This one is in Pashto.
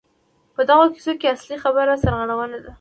په دغو کیسو کې اصلي خبره سرغړونه ده.